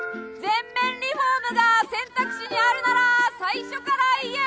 全面リフォームが選択肢にあるなら最初から言え！